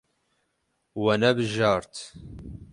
We nebijart.